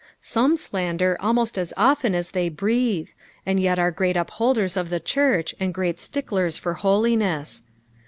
Some slander almost as often as they breathe, and yet are great upholders of the church, and great sticklers for holiness.